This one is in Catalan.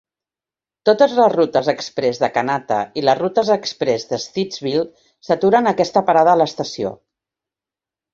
Totes les rutes exprés de Kanata i les rutes exprés de Stittsville s'aturen a aquesta parada a l'estació.